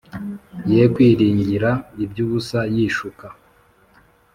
ye kwiringira iby’ubusa yishuka